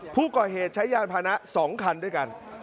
ผู้ก่อเหตุใช้ยานพานะ๒คันด้วยกัน